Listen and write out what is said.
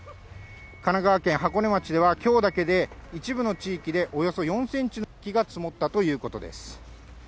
神奈川県箱根町では、きょうだけで一部の地域で、およそ４センチの雪が積もったということです。